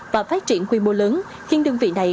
và phát triển quy mô lớn khiến đơn vị này